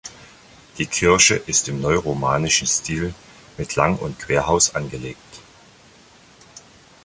Die Kirche ist im neuromanischen Stil mit Lang- und Querhaus angelegt.